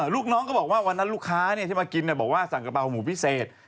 ลูกน้องก็บอกว่าวันนั้นลูกค้าที่มากินบอกว่าสั่งกระเป๋าหมูพิเศษ